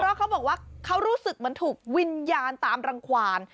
เพราะเขาบอกว่าเขารู้สึกเหมือนถูกวิญญาณตามรังความ